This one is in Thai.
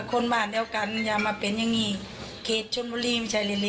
พูดไปแล้วเราต้องรักษาแล้วพูดนะครับ